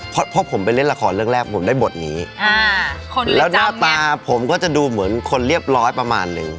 เพราะผมไปเล่นละครเรื่องแรกผมได้บทนี้แล้วหน้าตาผมก็จะดูเหมือนคนเรียบร้อยประมาณนึง